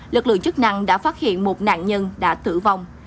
lực lượng chức năng đã phát hiện một nạn nhân đã tử vong